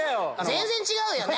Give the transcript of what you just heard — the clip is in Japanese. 全然違うよね。